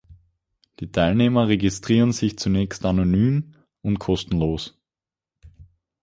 Die Teilnehmer registrieren sich zunächst anonym und kostenlos.